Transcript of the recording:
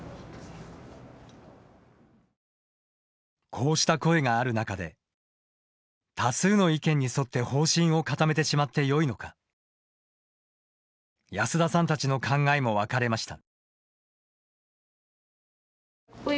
こうした声がある中で多数の意見に沿って方針を固めてしまってよいのか安田さんたちの考えも分かれました。